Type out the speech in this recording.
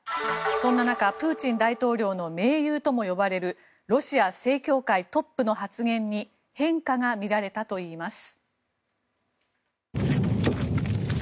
そんな中、プーチン大統領の盟友とも呼ばれるロシア正教会トップの発言に変化が見られたといいます。